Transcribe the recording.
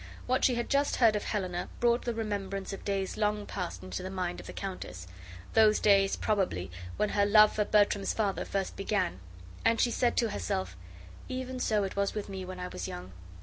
What she had just heard of Helena brought the remembrance of days long past into the mind of the countess; those days, probably, when her love for Bertram's father first began; and she said to herself: "Even so it was with me when I was young.